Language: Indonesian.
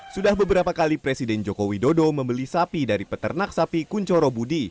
sudah beberapa kali presiden jokowi dodo membeli sapi dari peternak sapi kuncoro budi